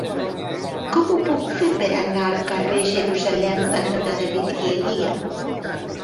Com ho puc fer per anar al carrer Jerusalem cantonada Vidrieria?